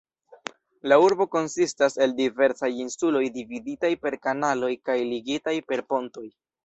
La urbo konsistas el diversaj insuloj, dividitaj per kanaloj kaj ligitaj per pontoj.